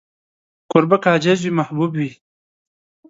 کوربه که عاجز وي، محبوب وي.